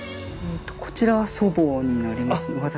こちらは祖母になりますね